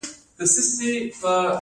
غڼه خپل جال په مهارت جوړوي